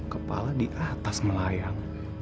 kepala di atas melayang